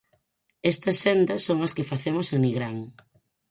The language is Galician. Estas sendas son as que facemos en Nigrán.